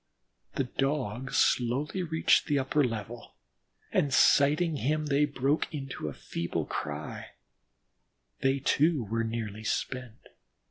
The Dogs slowly reached the upper level, and sighting him they broke into a feeble cry; they, too, were nearly spent.